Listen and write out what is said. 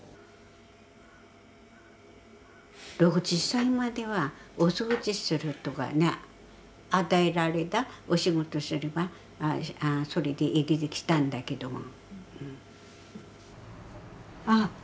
６０歳まではお掃除するとかね与えられたお仕事すればそれで生きてきたんだけども。